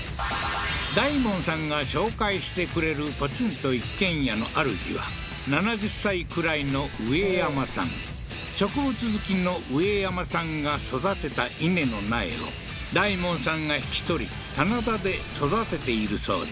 大門さんが紹介してくれるポツンと一軒家のあるじは７０歳くらいのウエヤマさん植物好きのウエヤマさんが育てた稲の苗を大門さんが引き取り棚田で育てているそうだ